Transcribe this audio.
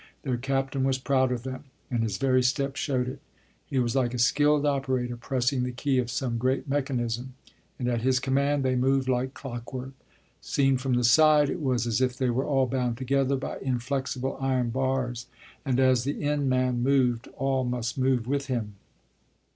Their captain was proud of them, and his very step showed it. He was like a skilled operator pressing the key of some great mechanism, and at his command they moved like clockwork. Seen from the side it was as if they were all bound together by inflexible iron bars, and as the end man moved all must move with him.